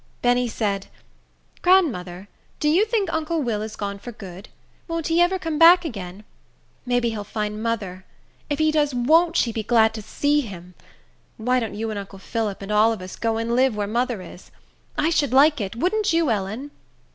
Benny said, "Grandmother, do you think uncle Will has gone for good? Won't he ever come back again? May be he'll find mother. If he does, won't she be glad to see him! Why don't you and uncle Phillip, and all of us, go and live where mother is? I should like it; wouldn't you, Ellen?"